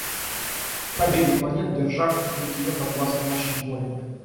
Пробеги планет, держав бытие подвластны нашим волям.